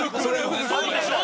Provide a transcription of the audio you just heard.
そうでしょ？